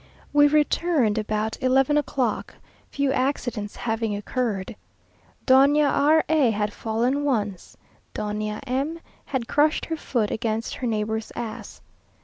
We returned about eleven o'clock, few accidents having occurred. Doña R a had fallen once. Doña M had crushed her foot against her neighbour's ass.